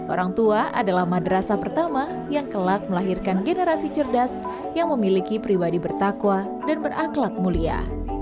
orang tua adalah madrasah pertama yang kelak melahirkan generasi cerdas yang memiliki pribadi bertakwa dan beraklak mulia